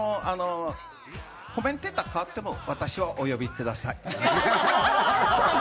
コメンテーター変わっても、私はお呼びください。